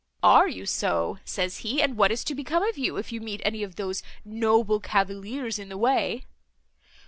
'Are you so?' says he, 'and what is to become of you, if you meet any of those noble cavaliers in the way?